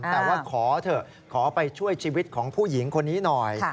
แต่ว่าขอเถอะขอไปช่วยชีวิตของผู้หญิงคนนี้หน่อย